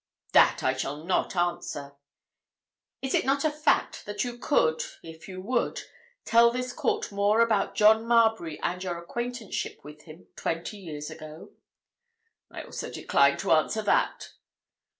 "That I shall not answer." "Is it not a fact that you could, if you would, tell this court more about John Marbury and your acquaintanceship with him twenty years ago?" "I also decline to answer that."